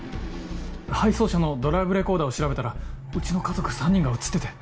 配送車のドライブレコーダーを調べたらうちの家族３人が写ってて。